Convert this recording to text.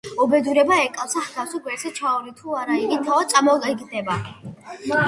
უბედურება ეკალსა ჰგავს, გვერდს ჩაუვლი თუ არა, იგი თავად წამოგედება,